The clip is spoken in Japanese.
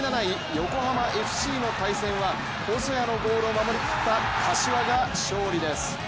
横浜ＦＣの対戦は細谷のゴールを守り切った柏が勝利です。